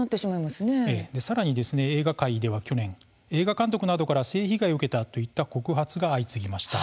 さらに映画界では去年映画監督などから性被害を受けたといった告発が相次ぎました。